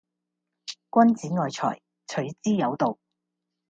君子愛財，取之有道